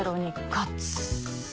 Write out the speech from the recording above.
勝つ！